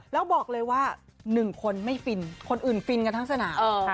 แล้วบอกเลยว่า๑คนไม่ฟินคนอื่นฟินกันทั้งสนาม